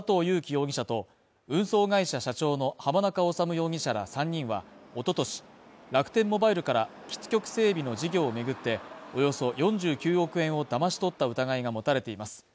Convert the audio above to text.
容疑者と運送会社社長の浜中治容疑者ら３人は一昨年、楽天モバイルから基地局整備の事業を巡って、およそ４９億円をだまし取った疑いが持たれています。